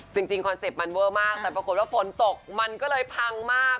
คอนเซ็ปต์มันเวอร์มากแต่ปรากฏว่าฝนตกมันก็เลยพังมาก